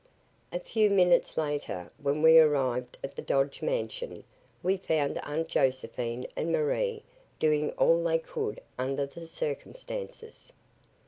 A few minutes later, when we arrived at the Dodge mansion, we found Aunt Josephine and Marie doing all they could under the circumstances.